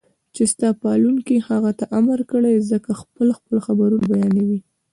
چې ستا پالونکي هغې ته امر کړی زکه خپل خپل خبرونه بيانوي